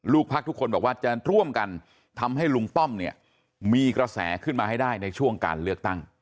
พักทุกคนบอกว่าจะร่วมกันทำให้ลุงป้อมเนี่ยมีกระแสขึ้นมาให้ได้ในช่วงการเลือกตั้ง